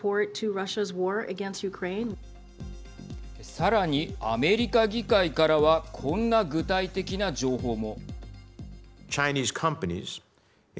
さらにアメリカ議会からはこんな具体的な情報も。